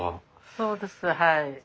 そうですはい。